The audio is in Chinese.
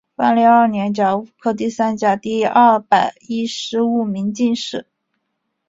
万历二年甲戌科第三甲第二百一十五名进士。